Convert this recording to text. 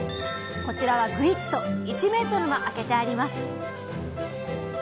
こちらはグイッと１ｍもあけてあります。